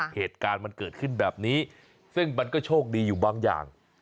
เหตุการณ์มันเกิดขึ้นแบบนี้ซึ่งมันก็โชคดีอยู่บางอย่าง